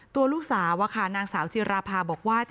ตัวลูกสาวนางสาวจิราภาบอกว่า